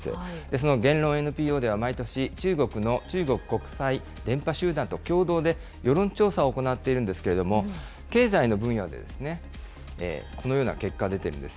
その言論ＮＰＯでは毎年、中国の中国国際伝播集団と共同で世論調査を行っているんですけれども、経済の分野で、このような結果が出ているんです。